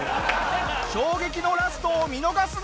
衝撃のラストを見逃すな！